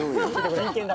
真剣だ。